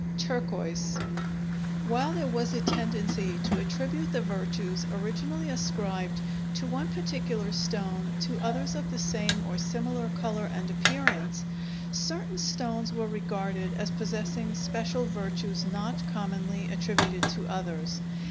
Turquoise While there was a tendency to attribute the virtues originally ascribed to one particular stone to others of the same or similar color and appearance, certain stones were regarded as possessing special virtues not commonly attributed to others.